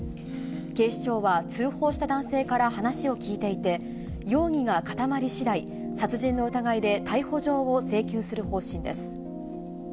警視庁は通報した男性から話を聴いていて、容疑が固まりしだい、殺人の疑いで逮捕状を請求する方針です。